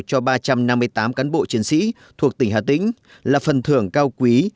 cho ba trăm năm mươi tám cán bộ chiến sĩ thuộc tỉnh hà tĩnh là phần thưởng cao quý